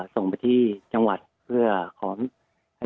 ส่งไปที่จังหวัดเพื่อขอเอ่อ